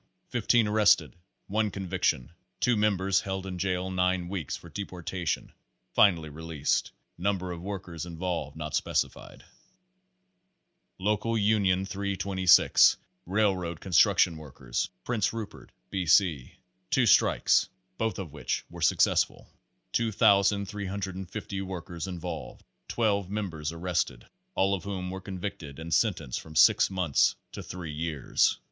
Fifteen arrested, one conviction, two members held in jail nine weeks for deportation finally released. Number of workers involved not specified. Local Union 326, Railroad Construction Workers, Prince Rupert, B. C. Two strikes, both of which were successful ; 2,350 workers involved ; 12 members arrest ed, all of whom were convicted and sentenced from six months to three years.